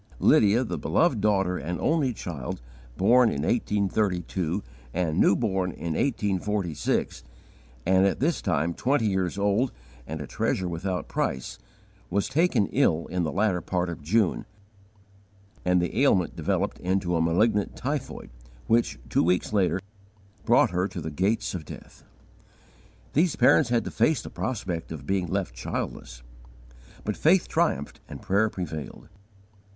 Lydia, the beloved daughter and only child, born in 1832 and new born in 1846, and at this time twenty years old and a treasure without price, was taken ill in the latter part of June, and the ailment developed into a malignant typhoid which, two weeks later, brought her to the gates of death. These parents had to face the prospect of being left childless. But faith triumphed and prayer prevailed.